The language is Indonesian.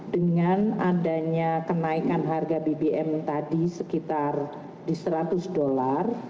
dengan adanya kenaikan harga bbm tadi sekitar di seratus dolar